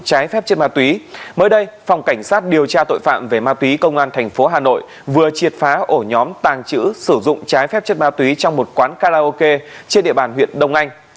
trái phép chất ma túy mới đây phòng cảnh sát điều tra tội phạm về ma túy công an tp hà nội vừa triệt phá ổ nhóm tàng trữ sử dụng trái phép chất ma túy trong một quán karaoke trên địa bàn huyện đông anh